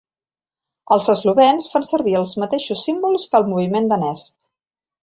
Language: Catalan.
Els eslovens fan servir els mateixos símbols que el moviment danès.